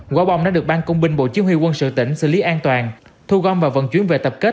quả bom đã được ban công binh bộ chí huy quân sự tỉnh xử lý an toàn thu gom và vận chuyển về tập kết